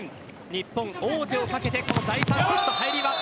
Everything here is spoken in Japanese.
日本、王手をかけて第３セットに入ります。